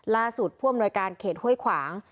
ล่าสุดพ่วนบริการเขตห้วยขวาง